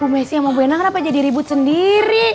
bu messi sama bu ena kenapa jadi ribut sendiri